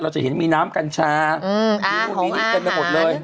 เราจะเห็นมีน้ำกัญชาอืมของอาหารเป็นไปหมดเลย